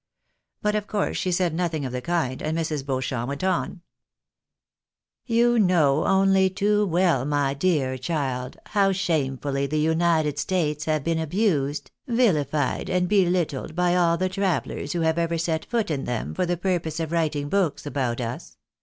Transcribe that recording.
But of course she said nothing of ■jihe kind, and Mrs. Beauchamp went on — 66 THE BARNABYS IN AMERICA. " You know only too well, my dear cHld, how shamefully the United States have been abused, vihfied, and be littled by all the travellers who have ever set foot in them for the purpose of writing books about us.